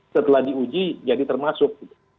setelah diuji jadi termasuk